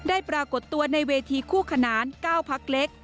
ปรากฏตัวในเวทีคู่ขนาน๙พักเล็ก